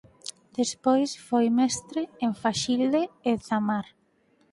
Despois foi mestre en Faxilde e Zamar.